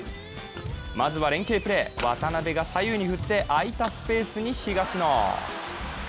まずは連係プレー、渡辺が左右に振って空いたスペースに東野。